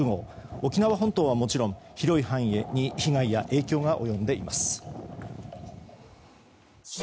沖縄本島はもちろん、広い範囲に被害や影響が及んでいます。